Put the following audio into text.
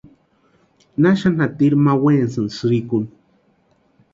¿Naxani jatiri ma wenasïni sïrikuni?